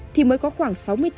thì mới có khoảng